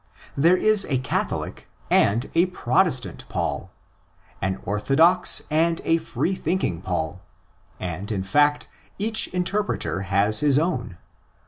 There is a Catholic and a Protestant Paul; an orthodox and a free thinking Paul; and, in fact, each interpreter has his own.